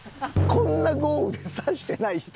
こんな豪雨で差してない人